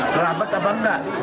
selamat apa enggak